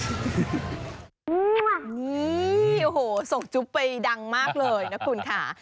นี่โอ้โหส่งจุ๊บไปดังมากเลยนะคุณค่ะ